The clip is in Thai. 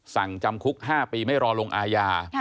จำคุก๕ปีไม่รอลงอาญา